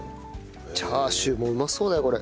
チャーシューもうまそうだよこれ。